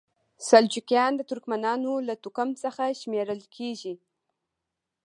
سلجوقیان د ترکمنانو له توکم څخه شمیرل کیږي.